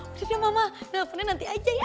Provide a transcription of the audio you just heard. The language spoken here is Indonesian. udah mama teleponnya nanti aja ya